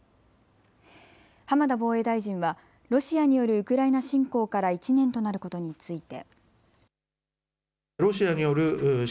浜田防衛大臣はロシアによるウクライナ侵攻から１年となることについて。